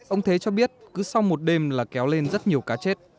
ông thế cho biết cứ sau một đêm là kéo lên rất nhiều cá chết